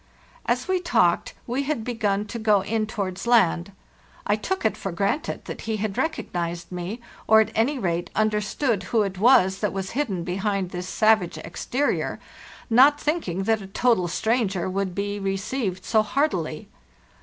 " As we talked, we had begun to go in towards land. I took it for granted that he had recognized me, or at any rate understood who it was that was hidden behind this savage exterior, not thinking that a total stranger would be received so heartily.